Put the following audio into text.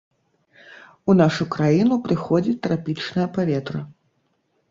У нашу краіну прыходзіць трапічнае паветра.